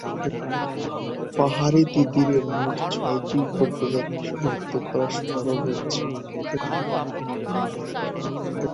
পাহাড়ি তিতিরের মোট ছয়টি উপপ্রজাতি শনাক্ত করা সম্ভব হয়েছে।